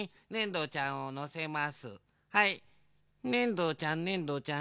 ねんどちゃんねんどちゃん。